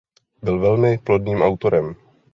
Byl velmi plodným autorem.